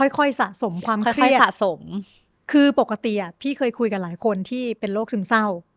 ค่อยสะสมความค่อยสะสมคือปกติพี่เคยคุยกับหลายคนที่เป็นโรคซึมเศร้า